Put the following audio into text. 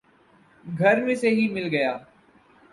گھر میں سے ہی مل گیا